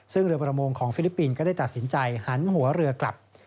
ซึ่งเรือประมงของฟิลิปปินส์ก็ได้ตัดสินใจหันหัวเรือกลับ